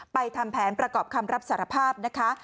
ทำแผนประกอบคำรับสารภาพนะคะ